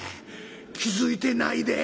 気付いてないで」。